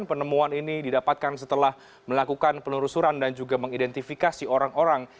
penemuan ini didapatkan setelah melakukan penelusuran dan juga mengidentifikasi orang orang